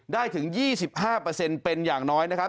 ถึง๒๕เป็นอย่างน้อยนะครับ